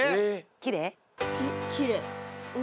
きれい！